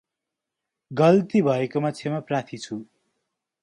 गल्ती भएकोमा क्षमापार्थी छु।